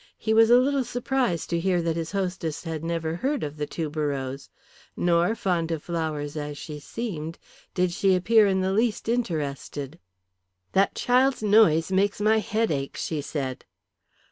He was a little surprised to hear that his hostess had never heard of the tuberose. Nor, fond of flowers as she seemed, did she appear in the least interested. "That child's noise makes my head ache," she said.